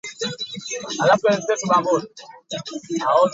Jupiter's moon Ganymede is named after the same, but uses the English spelling.